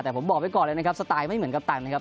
แต่ผมบอกไว้ก่อนเลยนะครับสไตล์ไม่เหมือนกัปตันนะครับ